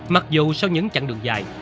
mặc dù sau những chặng đường dài